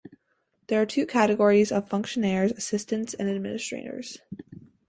There are two categories of fonctionnaires Assistants and Administrators.